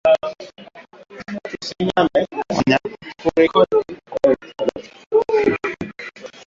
Wanyama wote wanaweza kuathiriwa na ugonjwa wa ukurutu